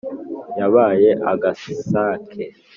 yabaye agasake